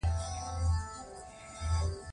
سرحدونه دې د سولې وي.